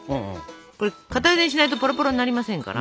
これ固ゆでしないとポロポロになりませんから。